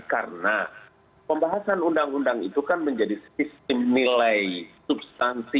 karena pembahasan undang undang itu kan menjadi sistem nilai substansi